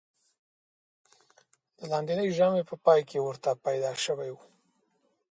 د لاندېنۍ ژامې په پای کې ورته پیدا شوی و.